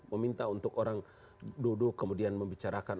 meminta untuk orang duduk kemudian membicarakan